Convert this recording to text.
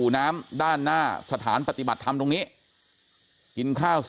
นี่